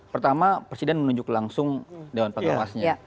pertama presiden menunjuk langsung dewan pengawasnya